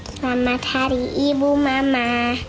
selamat hari ibu mama